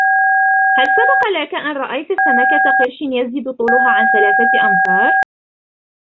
هل سبق لك أن رأيت سمكة قرش يزيد طولها عن ثلاثة أمتار؟